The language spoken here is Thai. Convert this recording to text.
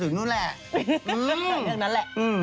เรื่องนั้นแหละ